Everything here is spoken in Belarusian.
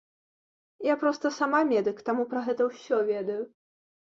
Я проста сама медык, таму пра гэта ўсё ведаю.